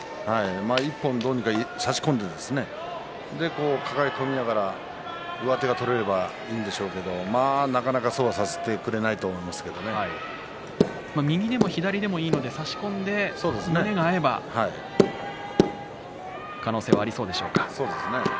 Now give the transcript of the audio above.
１本どうにか差し込んでいく抱え込みながら上手が取れればいいんでしょうけれどもなかなかそうはさせてくれないと右でも左でもいいので差し込んで胸が合えば可能性はありそうでしょうか。